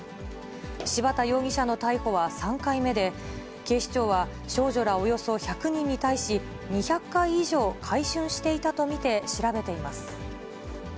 柴田容疑者の逮捕は３回目で、警視庁は、少女らおよそ１００人に対し、２００回以上買春していたと見て調べています。